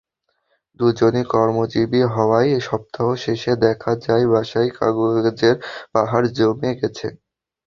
দুজনই কর্মজীবী হওয়ায় সপ্তাহ শেষে দেখা যায় বাসায় কাজের পাহাড় জমে গেছে।